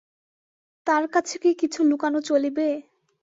তাঁর কাছে কি কিছু লুকানো চলিবে?